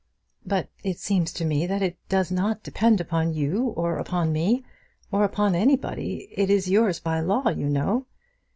"But it seems to me that it does not depend upon you or upon me, or upon anybody. It is yours, by law, you know."